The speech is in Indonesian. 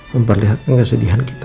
memperlihatkan kesedihan kita